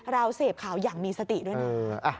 เราเสพข่าวอย่างมีสติด้วยนะ